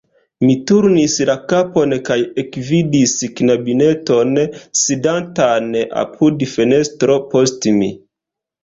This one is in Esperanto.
Mi turnis la kapon kaj ekvidis knabineton, sidantan apud fenestro post mi.